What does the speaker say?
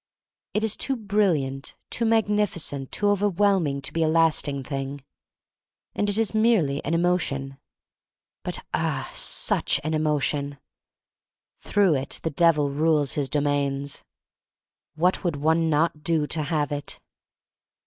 It is too brilliant, too magnificent, too overwhelming to be a lasting thing. And it is merely an emotion. But, ah — such an emotion! Through it the Devil rules his domains. What would one not do to have it!